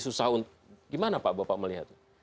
susah untuk gimana pak bapak melihatnya